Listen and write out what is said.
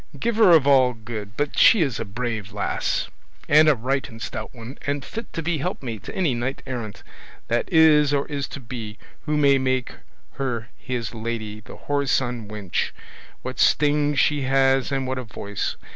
Giver of all good! but she is a brave lass, and a right and stout one, and fit to be helpmate to any knight errant that is or is to be, who may make her his lady: the whoreson wench, what sting she has and what a voice!